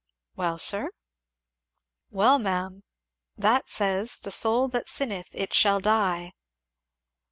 "Well, sir?" "Well, ma'am, that says, 'the soul that sinneth, it shall die.'"